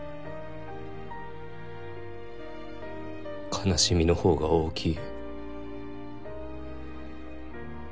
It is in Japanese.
悲しみの方が大きい。